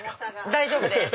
大丈夫です！